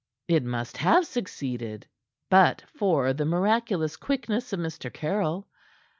It must have succeeded but for the miraculous quickness of Mr. Caryll.